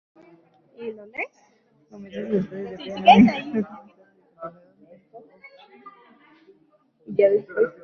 Comenzó sus estudios de piano en Stockton-on-Tees, más tarde continuaron en Oxford.